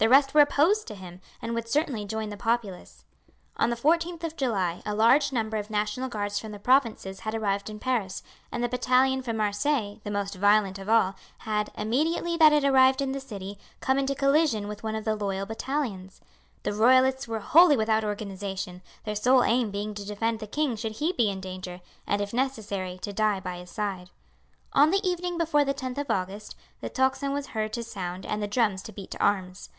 The rest were opposed to him, and would certainly join the populace. On the 14th of July a large number of National Guards from the provinces had arrived in Paris; and the battalion from Marseilles, the most violent of all, had, immediately that it arrived in the city, come into collision with one of the loyal battalions. The royalists were wholly without organization, their sole aim being to defend the king should he be in danger, and if necessary to die by his side. On the evening before the 10th of August the tocsin was heard to sound and the drums to beat to arms.